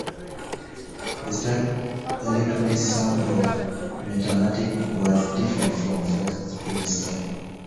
The stark electronic sound of "Metamatic" was different from Foxx's previous style.